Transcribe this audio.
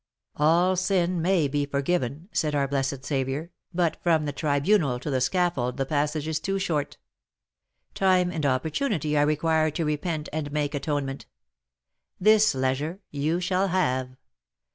'All sin may be forgiven,' said our blessed Saviour, but from the tribunal to the scaffold the passage is too short, time and opportunity are required to repent and make atonement; this leisure you shall have.